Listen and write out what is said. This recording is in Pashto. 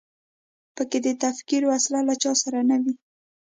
په کې د تکفیر وسله له چا سره نه وي.